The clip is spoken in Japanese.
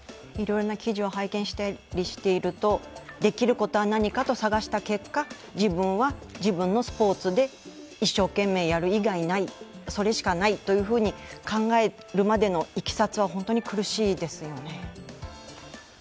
いろいろな記事を拝見したりしていると、できることは何かと探した結果、自分は自分のスポーツで一生懸命やる以外ないそれしかないと考えるまでのいきさつは本当に苦しいですよね。